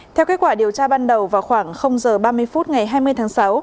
theo kết quả điều tra ban đầu vào khoảng h ba mươi phút ngày hai mươi tháng sáu